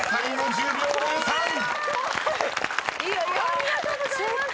ありがとうございます。